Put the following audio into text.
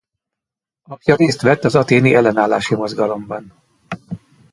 Apja részt vett az athéni ellenállási mozgalomban.